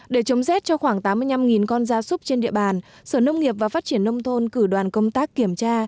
để chống rét cho khoảng tám mươi năm con da súc trên địa bàn sở nông nghiệp và phát triển nông thôn cử đoàn công tác kiểm tra